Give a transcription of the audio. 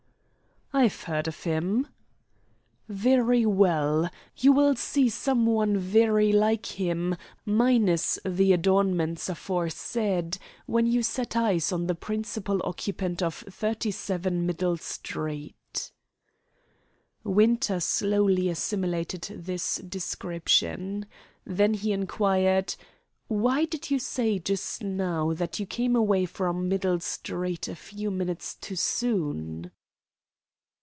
"I've heard of him." "Very well. You will see someone very like him, minus the adornments aforesaid, when you set eyes on the principal occupant of 37 Middle Street." Winter slowly assimilated this description. Then he inquired: "Why did you say just now that you came away from Middle Street a few minutes too soon?"